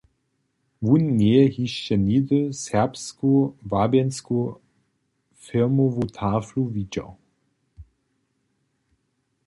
Wón njeje hišće nihdy serbsku wabjensku firmowu taflu widźał.